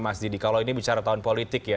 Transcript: mas didi kalau ini bicara tahun politik ya